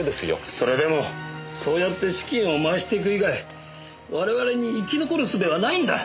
それでもそうやって資金を回していく以外我々に生き残るすべはないんだ！